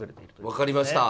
分かりました。